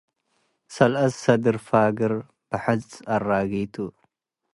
ሰለስ ሰድር ፋግር ብሕጽ አረጊቱ